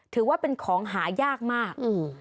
ถือว่าเป็นของหายากมาก